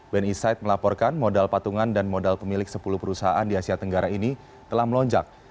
band insight melaporkan modal patungan dan modal pemilik sepuluh perusahaan di asia tenggara ini telah melonjak